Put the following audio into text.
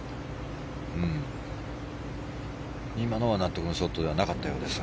今のは納得のショットではなかったようです。